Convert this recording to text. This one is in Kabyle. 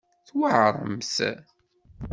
Tweɛremt.